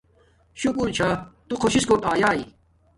شکور چھا تو خوش شس کوٹ ایاݵ